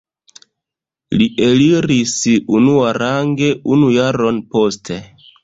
Li eliris unuarange unu jaron poste.